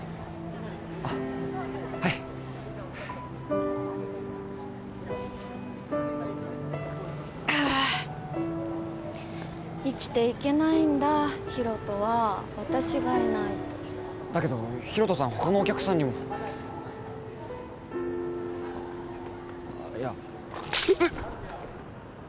あっはいああ生きていけないんだヒロトは私がいないとだけどヒロトさん他のお客さんにもあっいやえっ？